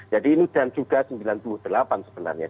jadi ini dan juga seribu sembilan ratus sembilan puluh delapan sebenarnya